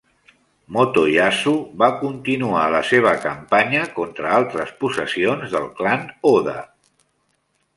Motoyasu va continuar la seva campanya contra altres possessions del clan Oda.